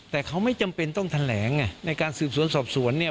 แต่เขาไม่จำเป็นต้องแถลงในการสืบสวนสอบสวนเนี่ย